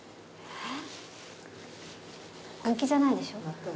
えっ？